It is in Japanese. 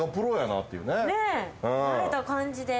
ねぇ慣れた感じで。